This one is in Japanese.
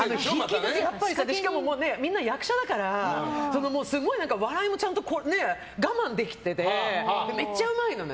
やっぱりね、みんな役者だからすごい笑いもちゃんと我慢できててめっちゃうまいのね。